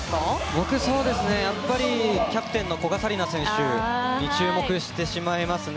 僕はキャプテンの古賀紗理那選手に注目してしまいますね。